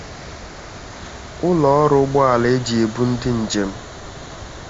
ụlọọrụ ụgbọala e ji ebu ndị njem